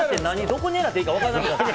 どこ狙っていいか分からなくなって。